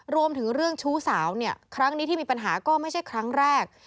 รวมถึงเรื่องชู้สาวเนี่ยครั้งนี้ที่มีปัญหาก็ไม่ใช่ครั้งแรก